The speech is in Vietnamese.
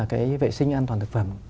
cái vệ sinh an toàn thực phẩm